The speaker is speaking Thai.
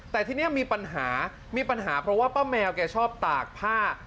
แต่ทีนี้มีปัญหามีปัญหาเพราะว่าป้าแมวแกชอบตากผ้า